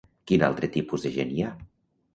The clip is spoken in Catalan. Quin altre tipus de gent hi ha?